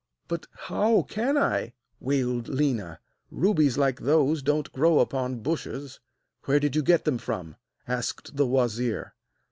'But how can I?' wailed Léna; 'rubies like those don't grow upon bushes!' 'Where did you get them from?' asked the wazir.